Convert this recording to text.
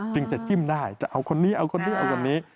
จึงจะจิ้มได้จะเอาคนนี้เอาคนนี้เอาคนนี้